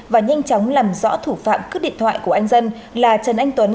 và nhanh chóng làm rõ thủ phạm cướp điện thoại của anh dân là trần anh tuấn